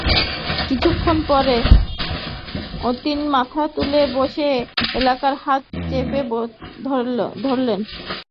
কিছুক্ষণ পরে অতীন মাথা তুলে বসে এলার হাত চেপে ধরলে।